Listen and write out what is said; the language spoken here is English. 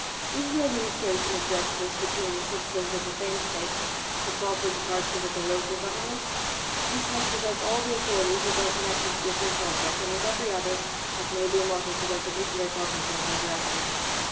Is the administration of justice between the citizens of the same State the proper department of the local governments? These must possess all the authorities which are connected with this object, and with every other that may be allotted to their particular cognizance and direction.